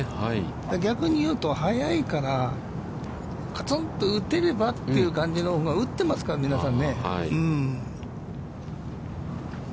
逆に言うと、速いから、かつんと打てればという感じ、打ってますからね、皆さん。